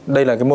đây là cái môn